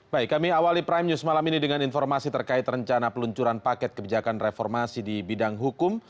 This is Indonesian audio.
baik kami awali prime news malam ini dengan informasi terkait rencana peluncuran paket kebijakan reformasi di bidang hukum